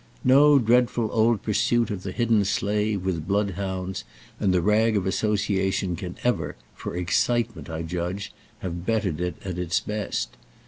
No dreadful old pursuit of the hidden slave with bloodhounds and the rag of association can ever, for "excitement," I judge, have bettered it at its best.